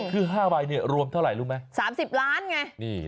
คือ๕บาทรวมเท่าไรรู้ไหม๓๐ล้านเงี้ย